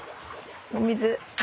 お水。